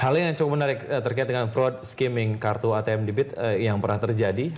hal ini yang cukup menarik terkait dengan fraud skimming kartu atm debit yang pernah terjadi